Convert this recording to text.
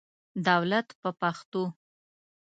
دولت په پښتو.